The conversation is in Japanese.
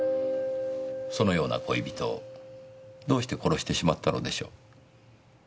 そのような恋人をどうして殺してしまったのでしょう？